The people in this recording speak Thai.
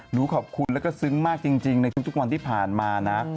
ขอบคุณแล้วก็ซึ้งมากจริงในทุกวันที่ผ่านมานะ